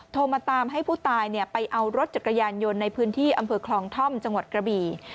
โทรมาตามให้ผู้ตายไปเอารถจักรยานยนต์ในพื้นที่อำเภอคลองท่อมจังหวัดกระบี่